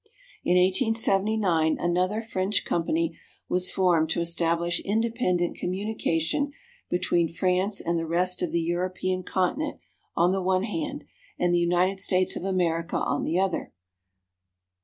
In 1879 another French company was formed to establish independent communication between France and the rest of the European Continent on the one hand, and the United States of America on the other.